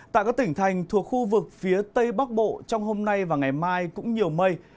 tại các tỉnh thành thuộc khu vực phía tây bắc bộ trong hôm nay và ngày mai cũng nhiều mây